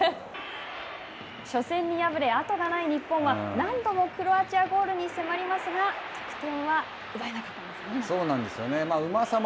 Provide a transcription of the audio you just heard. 初戦に敗れ、後がない日本は、何度もクロアチアゴールに迫りますが、得点は奪えなかったんですよね、中澤さん。